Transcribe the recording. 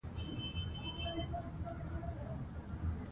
بل د نومځي په مانا یو څپیز دی.